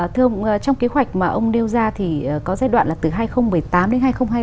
thưa ông trong kế hoạch mà ông nêu ra thì có giai đoạn là từ hai nghìn một mươi tám đến hai nghìn hai mươi năm